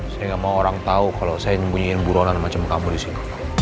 saya nggak mau orang tahu kalau saya nyembunyiin buronan macam kamu di sini